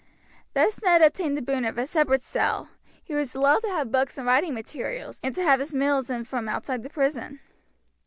Thus Ned obtained the boon of a separate cell, he was allowed to have books and writing materials, and to have his meals in from outside the prison.